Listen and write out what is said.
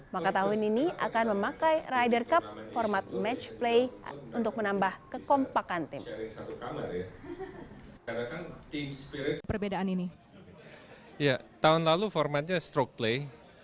maka tahun ini akan diperkenalkan dengan format stroke play